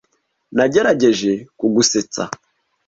Nagerageje kugusetsa.